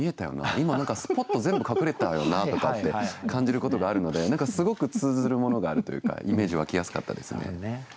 今何かスポッと全部隠れたよなとかって感じることがあるのですごく通ずるものがあるというかイメージ湧きやすかったですね。